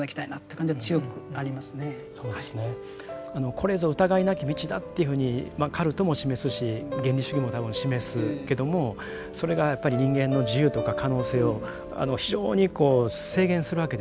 これぞ疑いなき道だというふうにカルトも示すし原理主義も多分示すけどもそれがやっぱり人間の自由とか可能性を非常にこう制限するわけですよね。